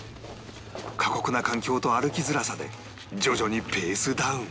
過酷な環境と歩きづらさで徐々にペースダウン